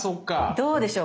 どうでしょう